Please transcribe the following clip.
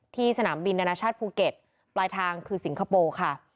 สนามบินนานาชาติภูเก็ตปลายทางคือสิงคโปร์ค่ะ